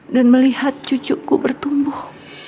dan melihat cucuku bertumbuh